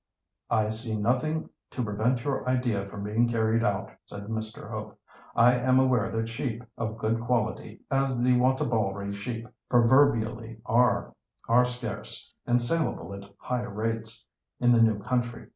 "I see nothing to prevent your idea from being carried out," said Mr. Hope. "I am aware that sheep of good quality, as the Wantabalree sheep proverbially are, are scarce, and saleable at high rates, in the new country.